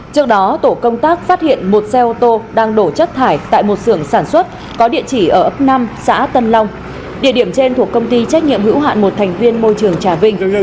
trước đó tổ công tác phát hiện một xe ô tô đang đổ chất thải tại một sưởng sản xuất có địa chỉ ở ấp năm xã tân long địa điểm trên thuộc công ty trách nhiệm hữu hạn một thành viên môi trường trà vinh